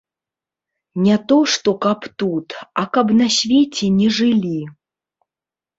Не то што каб тут, а каб на свеце не жылі.